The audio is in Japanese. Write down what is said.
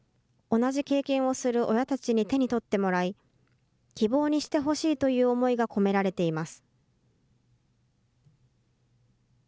同じ経験をする親たちに手に取ってもらい、希望にしてほしいという思いが込められています。